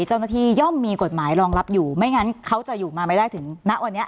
เจ้าหน้าที่ย่อมมีกฎหมายรองรับอยู่ไม่งั้นเขาจะอยู่มาไม่ได้ถึงณวันนี้